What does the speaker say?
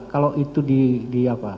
kalau itu di apa